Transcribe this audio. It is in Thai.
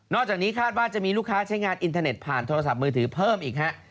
จากนี้คาดว่าจะมีลูกค้าใช้งานอินเทอร์เน็ตผ่านโทรศัพท์มือถือเพิ่มอีกฮะ